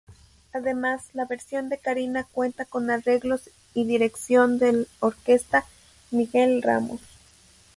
Además, la versión de Karina cuenta con arreglos y dirección de orquesta Miguel Ramos.